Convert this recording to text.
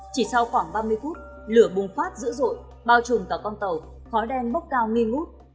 chỉ sau khoảng ba mươi phút lửa bùng phát dữ dội bao trùm cả con tàu khói đen bốc cao nghi ngút